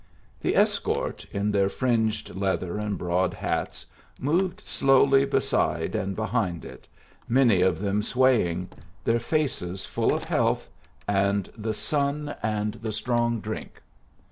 The escort, in their fringed leather and broad hats, moved slowly beside and behind it, many of them swaying, their faces full of health, and the sun and the strong drink.